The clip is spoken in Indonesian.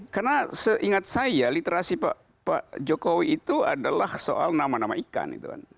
karena seingat saya literasi pak jokowi itu adalah soal nama nama ikan